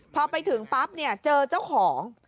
พอไปถึงปั๊บเนี่ยเจอเจ้าของ